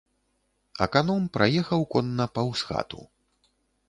Аканом праехаў конна паўз хату.